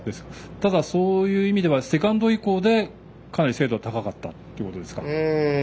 ただ、そういう意味でセカンド以降はかなり精度が高かったということですか。